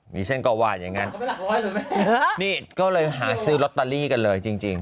นี่ฉันก็ว่าอย่างนั้นนี่ก็เลยหาซื้อลอตเตอรี่กันเลยจริง